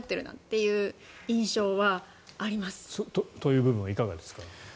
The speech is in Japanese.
という部分はいかがですか？